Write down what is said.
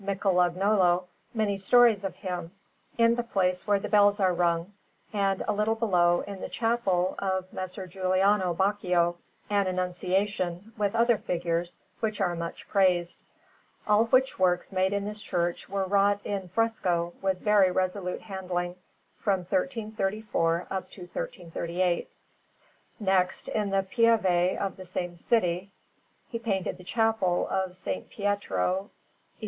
Michelagnolo, many stories of him, in the place where the bells are rung; and a little below, in the Chapel of Messer Giuliano Baccio, an Annunciation, with other figures, which are much praised; all which works made in this church were wrought in fresco, with very resolute handling, from 1334 up to 1338. Next, in the Pieve of the same city, he painted the Chapel of S. Pietro e S.